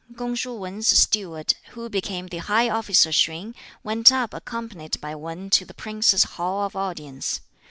Kung shuh Wan's steward, who became the high officer Sien, went up accompanied by Wan to the prince's hall of audience.